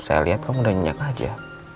saya lihat kamu udah nyenyak aja